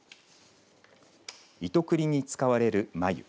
糸繰りに使われる繭。